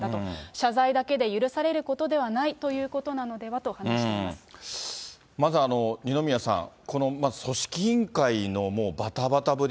謝罪だけで許されることではないということなのではと話していままず二宮さん、この組織委員会のばたばたぶり、